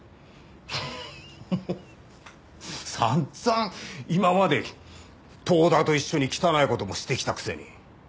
フフフ散々今まで遠田と一緒に汚い事もしてきたくせに。